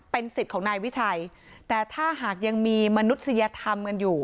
เป็นสิทธิ์ของนายวิชัยแต่ถ้าหากยังมีมนุษยธรรมกันอยู่